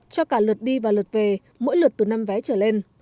cho cả lượt đi và lượt về mỗi lượt từ năm vé trở lên